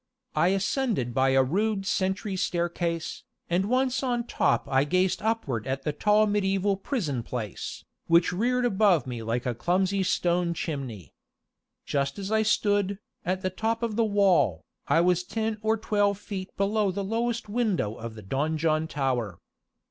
I ascended by a rude sentry's staircase, and once on top I gazed upward at the tall medieval prison place, which reared above me like a clumsy stone chimney. Just as I stood, at the top of the wall, I was ten or twelve feet below the lowest window of the donjon tower.